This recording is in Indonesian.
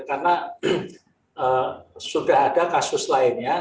karena sudah ada kasus lain ya